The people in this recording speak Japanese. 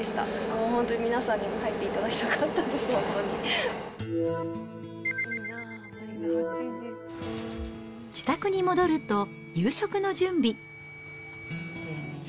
もう本当に皆さんにも入っていただきたかったです、自宅に戻ると、夕食の準備。